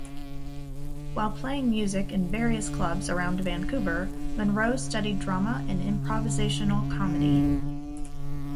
While playing music in various clubs around Vancouver, Munro studied drama and improvisational comedy.